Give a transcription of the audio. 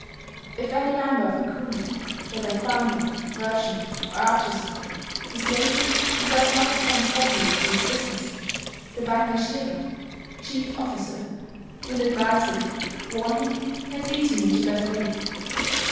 "If any member of a kumi, whether farmer, merchant, or artizan, is lazy, and does not attend properly to his business, the ban gashira [chief officer] will advise him, warn him, and lead him into better ways.